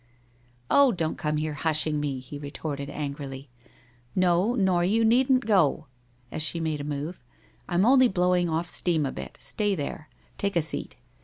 ' Oh, don't come here hushing me !' he retorted an grily. ' Xo, nor you needn't go !' as she made a move. * I'm only blowing off steam a bit. Stay there. Take a seat.'